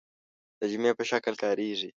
د جمع په شکل کاریږي.